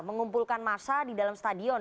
mengumpulkan massa di dalam stadion